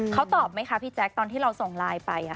เขาตอบไหมครับพี่แจ๊คตอนที่เราส่งลายไปอะคะ